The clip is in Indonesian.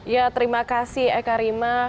ya terima kasih eka rima